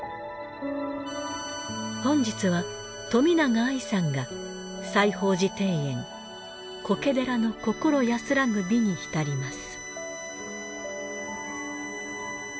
本日は冨永愛さんが『西芳寺庭園』苔寺の心安らぐ美に浸ります。